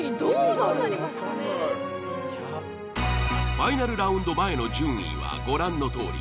ファイナルラウンド前の順位はご覧の通り。